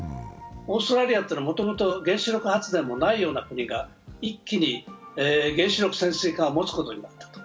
オーストラリアというのはもともと原子力発電もないような国が一気に原子力潜水艦を持つことになった。